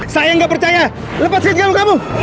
saya gak percaya lepasin kamu kamu